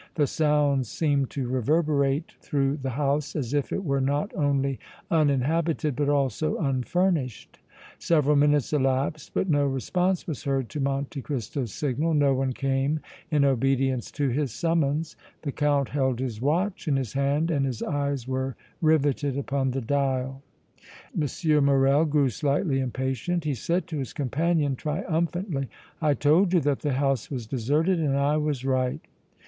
The sounds seemed to reverberate through the house as if it were not only uninhabited but also unfurnished. Several minutes elapsed but no response was heard to Monte Cristo's signal, no one came in obedience to his summons. The Count held his watch in his hand and his eyes were riveted upon the dial. M. Morrel grew slightly impatient; he said to his companion, triumphantly: "I told you that the house was deserted and I was right!"